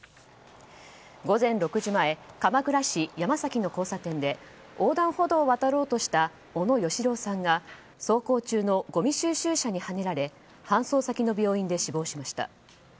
午前６時前鎌倉市山崎の交差点で横断歩道を渡ろうとした小野佳朗さんが走行中のごみ収集車にはねられ搬送先の病院で死亡しました。